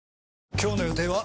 今日の予定は？